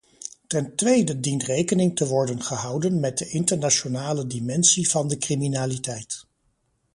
Ten tweede dient rekening te worden gehouden met de internationale dimensie van de criminaliteit.